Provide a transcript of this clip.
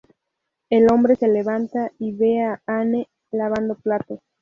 El hombre se levanta y ve a Anne lavando platos.